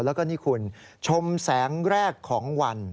แล้วก็นี่คุณชมแสงแรกของวัน